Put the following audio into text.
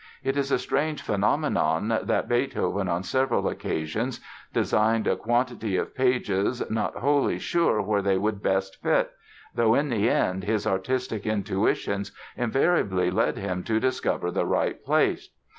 It is a strange phenomenon that Beethoven on several occasions designed a quantity of pages not wholly sure where they would best fit, though in the end his artistic intuitions invariably led him to discover the right place.